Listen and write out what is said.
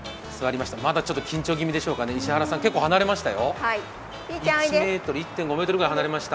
まだちょっと緊張気味でしょうかね、石原さん離れましたよ。